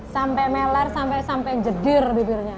sampai melar sampai jedir bibirnya